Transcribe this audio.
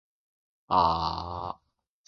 一揆によって団結した